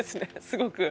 すごく。